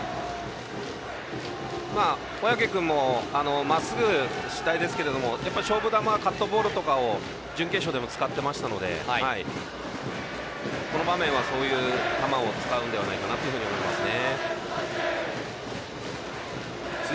小宅君もまっすぐ主体ですけど勝負球はカットボールとかを準決勝でも使っていましたのでこの場面はそういう球を使うのではないかなと思いますね。